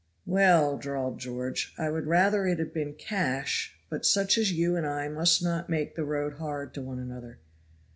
"Well," drawled George, "I would rather it had been cash, but such as you and I must not make the road hard to one another.